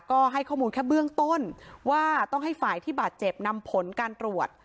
ก็ให้ข้อมูลแค่เบื้องต้นว่าต้องให้ฝ่ายที่บาดเจ็บนำผลการตรวจ